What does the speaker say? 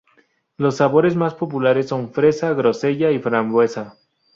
Los sabores más populares son fresa, grosella y frambuesa.